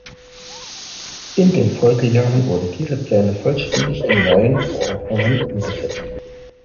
In den Folgejahren wurden diese Pläne vollständig in neuen Verordnungen umgesetzt.